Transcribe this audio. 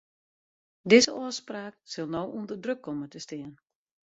Dizze ôfspraak sil no ûnder druk komme te stean.